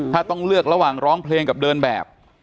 ถ้าต้องเลือกระหว่างร้องเพลงกับเดินแบบ